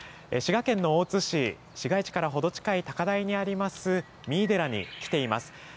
滋賀県の大津市、市街地から程近い高台にあります、三井寺に来ています。